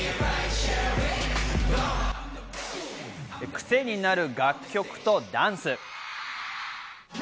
くせになる楽曲とダンス。